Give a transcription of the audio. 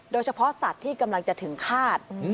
โดยเฉพาะสัตว์ที่กำลังจะถึงฆาต